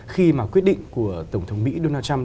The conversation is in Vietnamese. khi mà quyết định của tổng thống mỹ donald trump